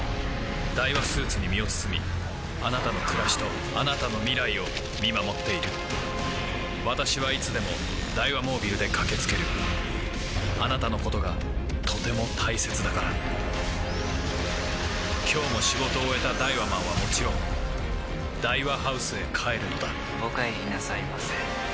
ダイワスーツに身を包みあなたの暮らしとあなたの未来を見守っている私はいつでもダイワモービルで駆け付けるあなたのことがとても大切だから今日も仕事を終えたダイワマンはもちろんダイワハウスへ帰るのだお帰りなさいませ。